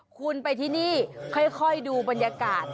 คุณไปที่นี่ค่อยดูบรรยากาศ